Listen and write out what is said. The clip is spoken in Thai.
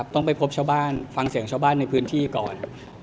ต้องไปพบชาวบ้านฟังเสียงชาวบ้านในพื้นที่ก่อน